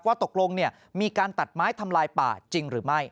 ตกลงมีการตัดไม้ทำลายป่าจริงหรือไม่